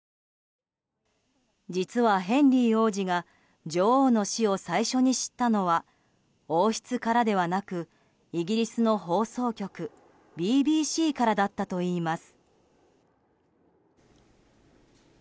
実は、ヘンリー王子が女王の死を最初に知ったのは王室からではなくイギリスの放送局ＢＢＣからだったといいます。